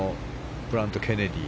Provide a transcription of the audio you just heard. ブラッド・ケネディ。